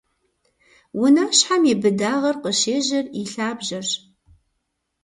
Унащхьэм и быдагъыр къыщежьэр и лъабжьэрщ.